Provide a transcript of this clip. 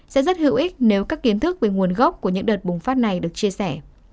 sẽ rất hữu ích nếu các kiến thức về nguồn gốc của những đợt bùng phát này được chia sẻ